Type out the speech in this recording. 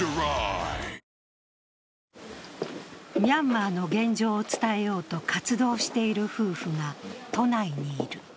ミャンマーの現状を伝えようと活動している夫婦が都内にいる。